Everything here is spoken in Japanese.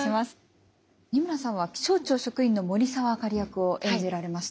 仁村さんは気象庁職員の森澤あかり役を演じられました。